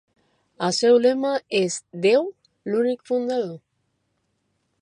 El seu lema és "Deu, l'únic fundador".